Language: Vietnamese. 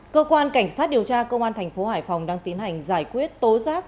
cơ quan cảnh sát điều tra công an tp hải phòng đang tiến hành giải quyết tố giác